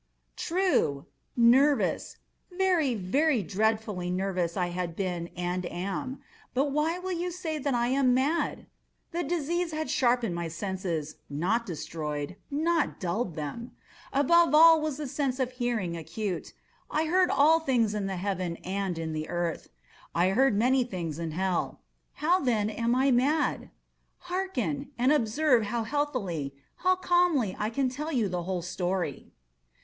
True!—nervous—very, very dreadfully nervous I had been and am; but why will you say that I am mad? The disease had sharpened my senses—not destroyed—not dulled them. Above all was the sense of hearing acute. I heard all things in the heaven and in the earth. I heard many things in hell. How, then, am I mad? Hearken! and observe how healthily—how calmly I can tell you the whole story.